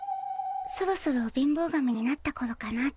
そろそろ貧乏神になったころかなって。